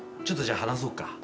ちょっとじゃあ話そうか。